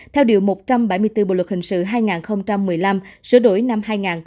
theo điều một trăm bảy mươi bốn bộ luật hình sự hai nghìn một mươi năm sửa đổi năm hai nghìn một mươi bảy